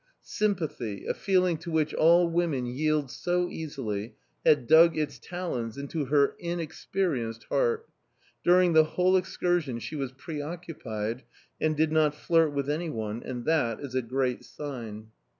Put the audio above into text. Sympathy a feeling to which all women yield so easily, had dug its talons into her inexperienced heart. During the whole excursion she was preoccupied, and did not flirt with anyone and that is a great sign!